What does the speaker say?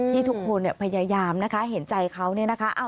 ทุกคนพยายามนะคะเห็นใจเขาเนี่ยนะคะ